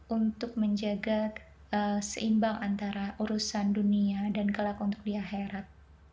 untuk menjaga seimbang antara urusan dunia dan kelak untuk di akhirat